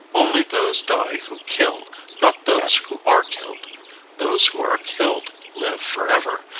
Only those die who kill, not those who are killed. Those who are killed live forever.